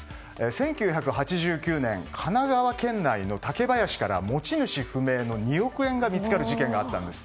１９８９年、神奈川県内の竹林から、持ち主不明の２億円が見つかる事件があったんです。